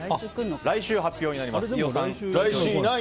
来週、発表になります。